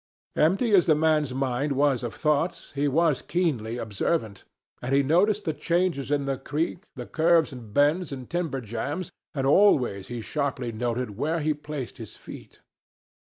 Empty as the man's mind was of thoughts, he was keenly observant, and he noticed the changes in the creek, the curves and bends and timber jams, and always he sharply noted where he placed his feet.